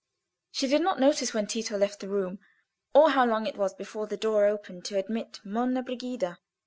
She did not notice when Tito left the room, or know how long it was before the door opened to admit Monna Brigida.